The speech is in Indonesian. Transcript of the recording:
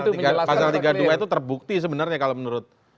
pasal tiga puluh dua itu terbukti sebenarnya kalau menurut